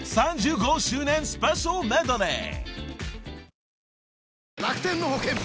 ３５周年スペシャルメドレー］